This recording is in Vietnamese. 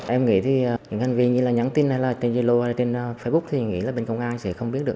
em nghĩ thì những hành vi như là nhắn tin hay là trên yolo hay trên facebook thì nghĩ là bên công an sẽ không biết được